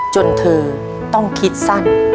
จนเธอต้องคิดสั้น